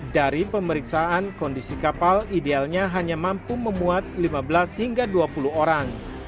dari pemeriksaan kondisi kapal idealnya hanya mampu memuat lima belas hingga dua puluh orang